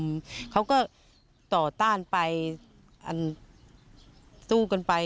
ไม่อยากให้มองแบบนั้นจบดราม่าสักทีได้ไหม